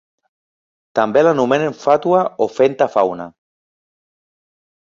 També l'anomenen Fatua o Fenta Fauna.